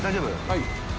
はい。